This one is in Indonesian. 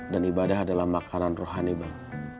dan ibadah adalah makanan rohani bang